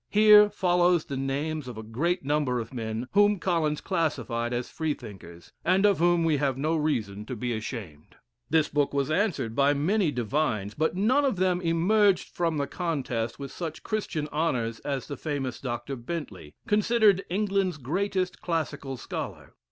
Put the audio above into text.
Here follows the names of a great number of men whom Collins classified as Freethinkers, and of whom we have no reason to be ashamed. This book was answered by many divines, but none of them emerged from the contest with such Christian honors as the famous Dr. Bentley considered England's greatest classical scholar.